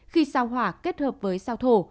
khi sao hỏa kết hợp với sao thổ